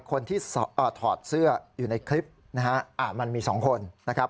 คนที่ถอดเสื้ออยู่ในคลิปนะฮะมันมี๒คนนะครับ